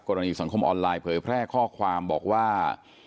สังคมออนไลน์เผยแพร่ข้อความบอกว่า